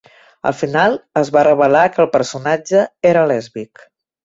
Al final, es va revelar que el personatge era lèsbic.